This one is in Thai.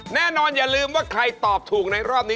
แน่นอนอย่าลืมว่าใครตอบถูกในรอบนี้